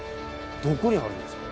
どこにあるんですか？